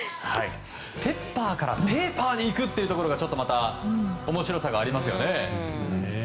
ペッパーからペーパーにいくというのがちょっとまた面白さがありますよね。